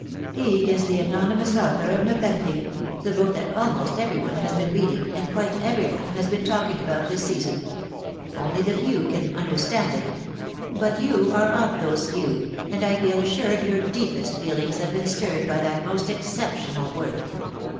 He is the anonymous author of Nepenthe, the book that almost every one has been reading and quit* every one has been talking about this season. Only the few can understand it ; but you are of those few, and I feel assured your deepest feelings have been stirred by that most exceptional work.